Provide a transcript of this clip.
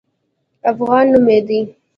افغان نومېدی.